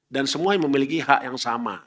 dan semua memiliki hak yang sama